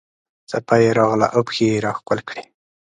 څپه یې راغله او پښې یې راښکل کړې.